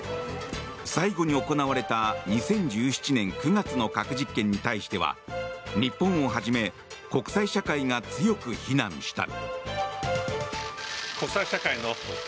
最後に行われた２０１７年９月の核実験に対しては日本をはじめ国際社会が強く非難した。